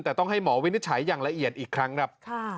แต่ต้องให้หมอวินิจฉัยอย่างละเอียดอีกครั้งครับ